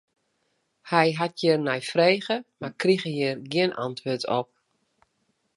Hy hat der nei frege, mar kriget hjir gjin antwurd op.